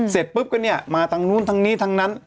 เสร็จปุ๊บก็เนี่ยมาทางนู้นทางนี้ทางนั้น